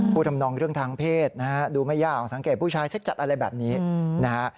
ทำนองเรื่องทางเพศนะฮะดูไม่ยากสังเกตผู้ชายเช็คจัดอะไรแบบนี้นะฮะ